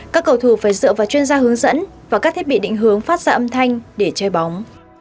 các cầu thủ phải dựa vào chuyên gia hướng dẫn và các thiết bị định hướng phát ra âm thanh để chơi bóng